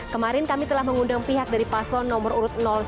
kemarin kami telah mengundang pihak dari paslon nomor urut satu